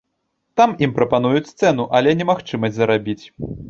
Там ім прапануюць сцэну, але не магчымасць зарабіць.